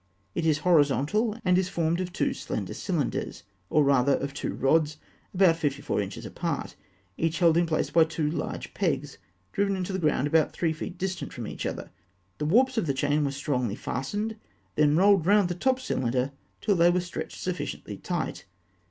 It is horizontal, and is formed of two slender cylinders, or rather of two rods, about fifty four inches apart, each held in place by two large pegs driven into the ground about three feet distant from each other. The warps of the chain were strongly fastened, then rolled round the top cylinder till they were stretched sufficiently tight.